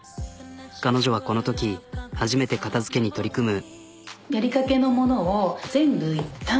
彼女はこのとき初めて片づけに取り組む。